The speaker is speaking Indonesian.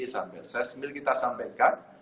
sampai sesmil kita sampaikan